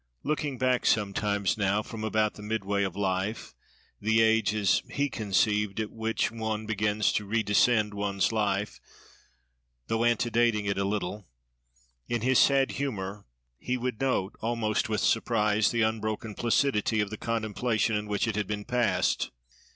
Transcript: Looking back sometimes now, from about the midway of life—the age, as he conceived, at which one begins to redescend one's life—though antedating it a little, in his sad humour, he would note, almost with surprise, the unbroken placidity of the contemplation in which it had been passed.